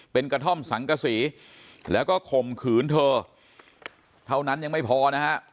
เป็นกระท่อมสังกษีแล้วก็ข่มขืนเธอเท่านั้นยังไม่พอนะฮะ